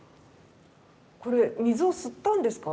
これ水を吸ったんですか？